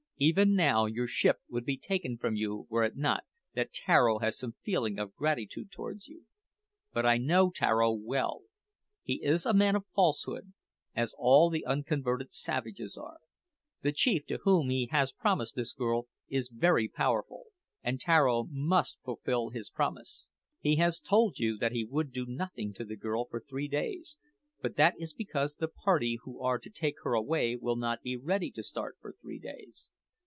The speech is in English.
Even now your ship would be taken from you were it not that Tararo has some feeling of gratitude towards you. But I know Tararo well. He is a man of falsehood, as all the unconverted savages are. The chief to whom he has promised this girl is very powerful, and Tararo must fulfil his promise. He has told you that he would do nothing to the girl for three days, but that is because the party who are to take her away will not be ready to start for three days.